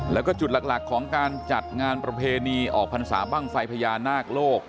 แล้วก็จุดหลักของการจัดงานประเพณีออกพรรษาบ้างไฟพญานาคโลก